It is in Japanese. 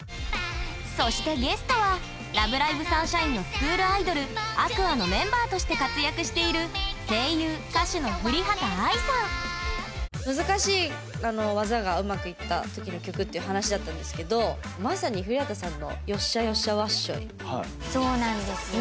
そしてゲストは「ラブライブ！サンシャイン！！」のスクールアイドルＡｑｏｕｒｓのメンバーとして活躍している難しい技がうまくいった時の曲っていう話だったんですけどまさに降幡さんのそうなんです。ね。